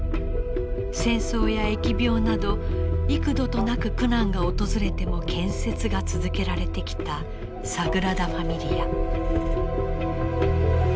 戦争や疫病など幾度となく苦難が訪れても建設が続けられてきたサグラダ・ファミリア。